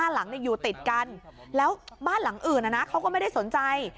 หลังอยู่ติดกันแล้วบ้านหลังอื่นเขาก็ไม่ได้สนใจ